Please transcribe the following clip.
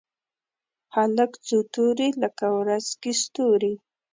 هلک څو توري لکه ورځ کې ستوري